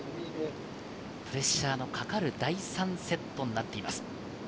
プレッシャーのかかる第３セットになっています。